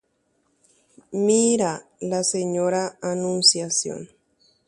Ma'ẽmínako ña Anunciación.